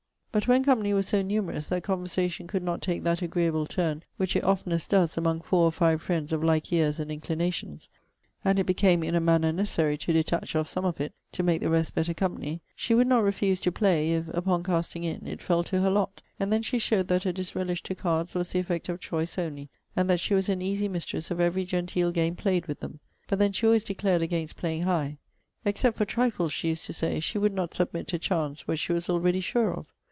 But when company was so numerous, that conversation could not take that agreeable turn which it oftenest does among four or five friends of like years and inclinations, and it became in a manner necessary to detach off some of it, to make the rest better company, she would not refuse to play, if, upon casting in, it fell to her lot. And then she showed that her disrelish to cards was the effect of choice only; and that she was an easy mistress of every genteel game played with them. But then she always declared against playing high. 'Except for trifles,' she used to say, 'she would not submit to chance what she was already sure of.'